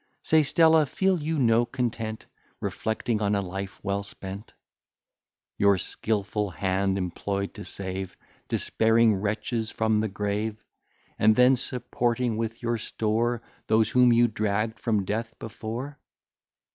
Say, Stella, feel you no content, Reflecting on a life well spent? Your skilful hand employ'd to save Despairing wretches from the grave; And then supporting with your store Those whom you dragg'd from death before?